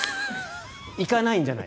行かないんじゃない。